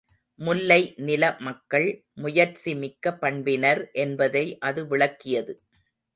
முல்லை நில மக்கள் முயற்சிமிக்க பண்பினர் என்பதை அது விளக்கியது.